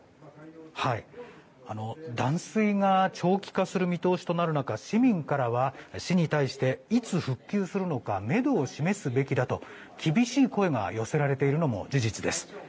断水が長期化する見通しとなる中市民からは、市に対していつ復旧するのかめどを示すべきだと厳しい声が寄せられているのも事実です。